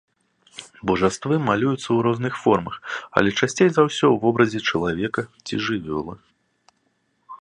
Божаствы малююцца ў розных формах, але часцей за ўсё ў вобразе чалавека ці жывёлы.